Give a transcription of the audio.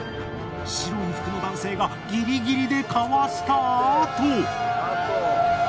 白い服の男性がギリギリでかわしたあと。